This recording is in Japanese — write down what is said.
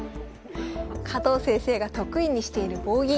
加藤先生が得意にしている棒銀。